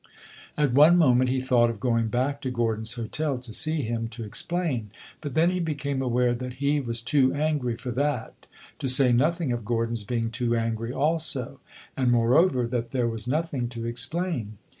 At one moment he thought of going back to Gordon's hotel, to see him, to explain. But then he became aware that he was too angry for that to say nothing of Gordon's being too angry also; and, moreover, that there was nothing to explain.